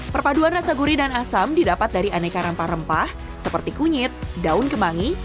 perpaduan rasa gurih dan asam didapat dari aneka rempah rempah seperti kunyit daun kemangi